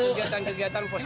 kegiatan kegiatan pos daya